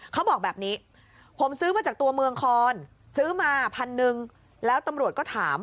เขาบอกแบบนี้ผมซื้อมาจากตัวเมืองคอนซื้อมาพันหนึ่งแล้วตำรวจก็ถาม